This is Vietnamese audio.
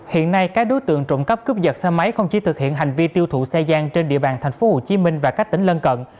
hiện nay các đối tượng trộm cắp cướp dật xe máy không chỉ thực hiện hành vi tiêu thụ xe gian trên địa bàn tp hcm và các tỉnh lân cận